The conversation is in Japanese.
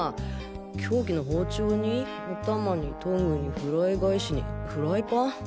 凶器の包丁にオタマにトングにフライ返しにフライパン。